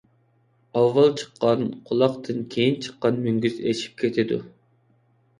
ئاۋۋال چىققان قۇلاقتىن كېيىن چىققان مۈڭگۈز ئېشىپ كېتىدۇ.